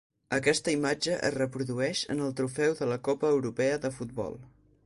Aquesta imatge es reprodueix en el trofeu de la Copa Europea de futbol.